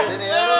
sini dulu sebentar